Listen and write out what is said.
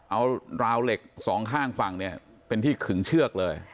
เอาราวเหล็กสองข้างฝั่งเนี่ยเป็นที่ขึงเชือกเลย